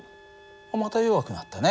また弱くなったね。